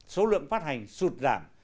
số lượng phát hành sụt lên